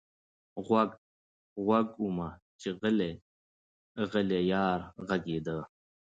غوږ، غوږ ومه چې غلـــــــی، غلـــی یار غږېده